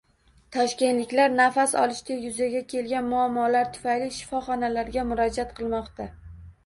Toshkentliklar nafas olishda yuzaga kelgan muammolar tufayli shifoxonalarga murojaat qilmoqda